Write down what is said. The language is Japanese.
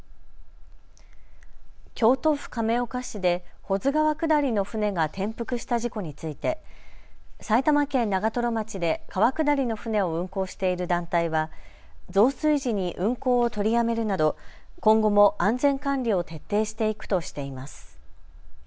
京都府亀岡市で保津川下りの舟が転覆した事故について埼玉県長瀞町で川下りの舟を運航している団体は増水時に運航を取りやめるなど今後も安全管理を徹底していくとしています。